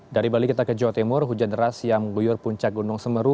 dari bali kita ke jawa timur hujan deras yang mengguyur puncak gunung semeru